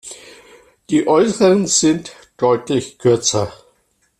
Die äußeren sind deutlich kürzer.